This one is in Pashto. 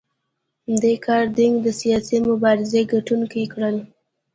دې کار دینګ د سیاسي مبارزې ګټونکي کړل.